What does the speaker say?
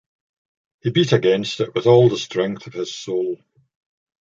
He beat against it with all the strength of his soul.